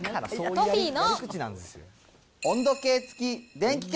トフィーの。